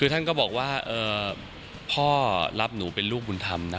คือท่านก็บอกว่าพ่อรับหนูเป็นลูกบุญธรรมนะ